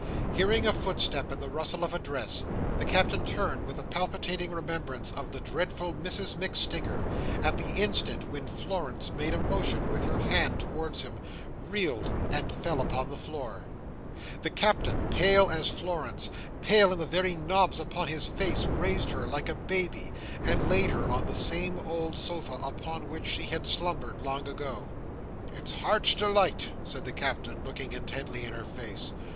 Hearing a footstep and the rustle of a dress, the Captain turned with a palpitating remembrance of the dreadful Mrs MacStinger, at the instant when Florence made a motion with her hand towards him, reeled, and fell upon the floor. The Captain, pale as Florence, pale in the very knobs upon his face, raised her like a baby, and laid her on the same old sofa upon which she had slumbered long ago. "It's Heart's Delight!" said the Captain, looking intently in her face.